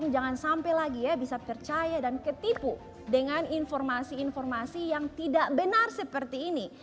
jangan sampai lagi ya bisa percaya dan ketipu dengan informasi informasi yang tidak benar seperti ini